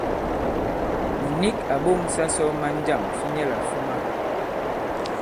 Mùt nik à ɓo᷇ŋsa sɔ maŋ jâm fi nyɛlà fuma.